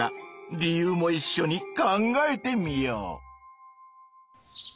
理由もいっしょに考えてみよう。